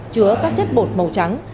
chứa các chất bột màu trắng